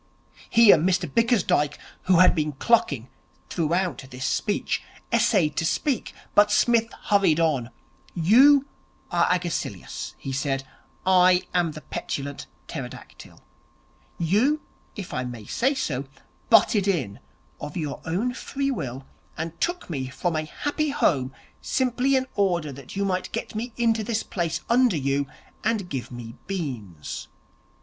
Here Mr Bickersdyke, who had been clucking throughout this speech, essayed to speak; but Psmith hurried on. 'You are Agesilaus,' he said. 'I am the Petulant Pterodactyl. You, if I may say so, butted in of your own free will, and took me from a happy home, simply in order that you might get me into this place under you, and give me beans.